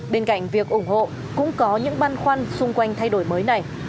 bên cạnh việc ủng hộ cũng có những băn khoăn xung quanh thay đổi mới này